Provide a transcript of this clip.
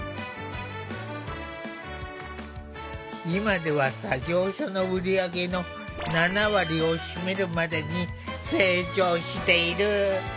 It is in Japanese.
今では作業所の売り上げの７割を占めるまでに成長している。